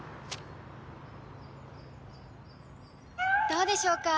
どうでしょうか？